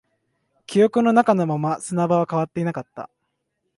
記憶の中のまま、砂場は変わっていなかった